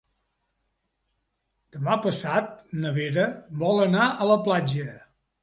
Demà passat na Vera vol anar a la platja.